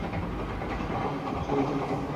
তোমার মা বাবা এসে গেছে।